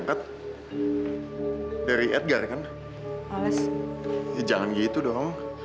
cuman ya gua males aja lah